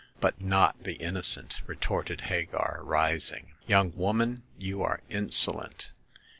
But not the innocent,*' retorted Hagar, rising. Young woman, you are insolent